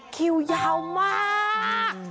คิวยาวมาก